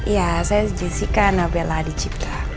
iya saya jessica nabela di cipta